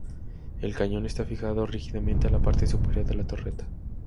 El cañón está fijado rígidamente a la parte superior de la torreta.